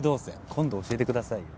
今度教えてくださいよ。